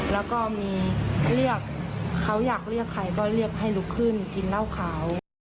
แล้วก็มีเรียกเขาอยากเรียกใครก็เรียกให้ลุกขึ้นกินเหล้าขาว